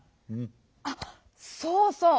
あっそうそう。